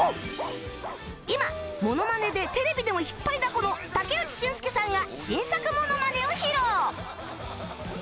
今モノマネでテレビでも引っ張りだこの武内駿輔さんが新作モノマネを披露！